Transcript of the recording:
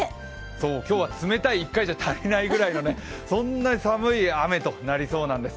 今日は冷たい１回くらいじゃ足りないくらい、そんな雨となりそうなんです。